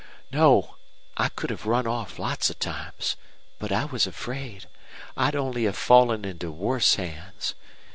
"No. I could have run off lots of times. But I was afraid. I'd only have fallen into worse hands.